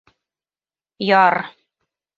Яр...